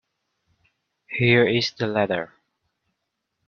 Here is the letter.